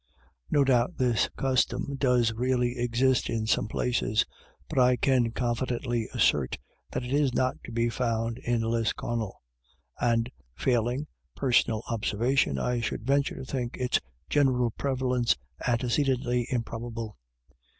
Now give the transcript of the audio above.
No doubt this custom does really exist in some places ; but I can confidently assert that it is not to be found in Lisconnel, and, failing personal observation, I should venture to think its general prevalence antecedently improbable.